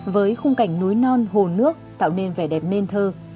với khung cảnh núi non hồ nước tạo nên vẻ đẹp nên thơ